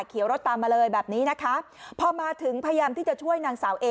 รถตามมาเลยแบบนี้นะคะพอมาถึงพยายามที่จะช่วยนางสาวเอ